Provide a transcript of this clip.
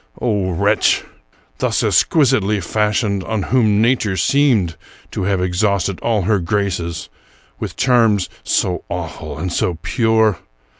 O wretch! — thus exquisitely fashioned, — on whom nature seemed to have exhausted all her graces ; with charms so awful and so pure!